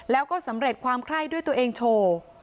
แล้วก็สำเร็จความไคร้ด้วยตัวเองโชว์